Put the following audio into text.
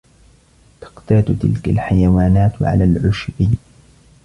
تقتات تلك الحيوانات على العشب.